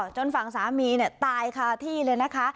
จนฝั่งสามีตายคาที่เลยนะคะ